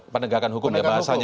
penegakan hukum ya bahasanya